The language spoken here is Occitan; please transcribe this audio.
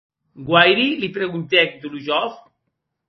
Guairi?, li preguntèc Dolojov.